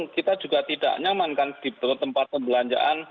kita juga tidak nyamankan di tempat perbelanjaan